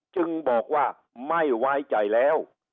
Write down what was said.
จึงบอกว่าไม่ไว้ใจแล้ว